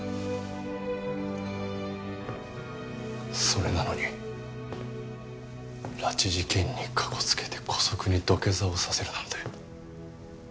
それなのに拉致事件にかこつけて姑息に土下座をさせるなんて。